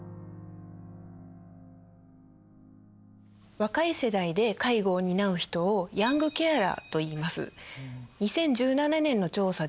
若い世代で介護を担う人をヤングケアラーといいます。